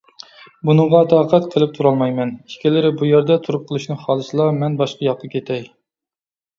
بۇنىڭغا تاقەت قىلىپ تۇرالمايمەن، ئىككىلىرى بۇ يەردە تۇرۇپ قېلىشنى خالىسىلا، مەن باشقا ياققا كېتەي!